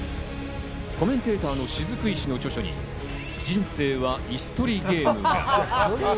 コメンテーターの雫石の著書に「人生はイス取りゲーム」。